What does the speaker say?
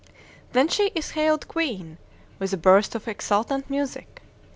Then she is hailed queen, with a burst of exultant music.